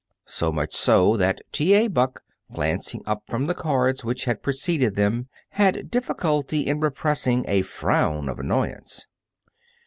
So much so, that T. A. Buck, glancing up from the cards which had preceded them, had difficulty in repressing a frown of annoyance.